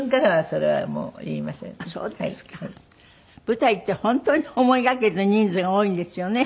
舞台って本当に思いがけず人数が多いんですよね。